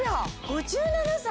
５７歳！？